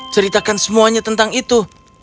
ceritakan semuanya tentang itu